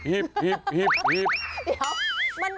เดี๋ยว